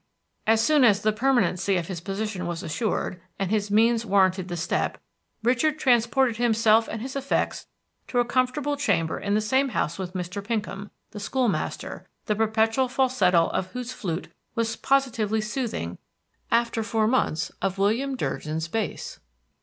As soon as the permanency of his position was assured, and his means warranted the step, Richard transported himself and his effects to a comfortable chamber in the same house with Mr. Pinkham, the school master, the perpetual falsetto of whose flute was positively soothing after four months of William Durgin's bass.